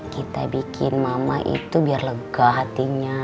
kita bikin mama itu biar lega hatinya